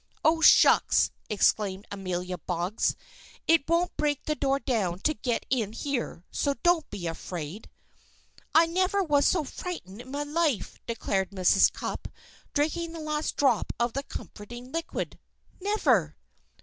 "Oh, shucks!" exclaimed Amelia Boggs. "It won't break the door down to get in here, so don't be afraid." "I never was so frightened in my life," declared Mrs. Cupp, drinking the last drop of the comforting liquid. "Never!"